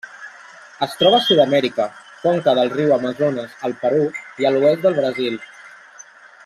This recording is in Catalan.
Es troba a Sud-amèrica: conca del riu Amazones al Perú i a l'oest del Brasil.